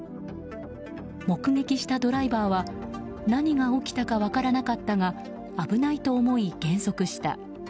目撃したドライバーは何が起きたか分からなかったが危ないと思い減速した。